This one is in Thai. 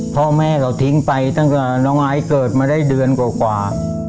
พ่อแม่เขาทิ้งไปตั้งแต่น้องไอซ์เกิดมาได้เดือนกว่า